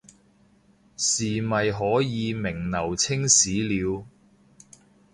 是咪可以名留青史了